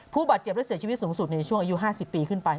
ผู้บาดเจ็บและเสียชีวิตสูงสุดในช่วงอายุ๕๐ปีขึ้นไป